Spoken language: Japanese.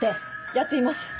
やっています。